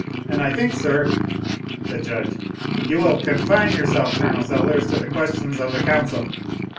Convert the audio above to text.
And I think, sir" The Judge. "You will confine yourself, Col. Sellers to the questions of the counsel."